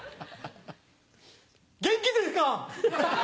元気ですか？